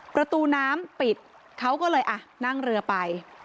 ประตูน้ำปิดเขาก็เลยอ่ะนั่งเรือไป